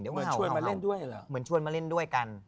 เดี๋ยวเหมือนชวนมาเล่นด้วยเหรอเหมือนชวนมาเล่นด้วยกัน